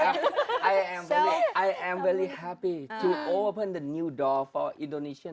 saya sangat senang untuk membuka pintu baru untuk orang indonesia